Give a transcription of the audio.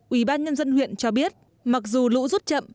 ủy ban nhân dân huyện cho biết mặc dù lũ rút chậm